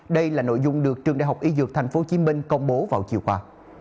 đây là nội dung được trường đại học y dược thành phố hồ chí minh công bố vào chiều qua